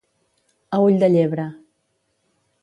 A ull de llebre.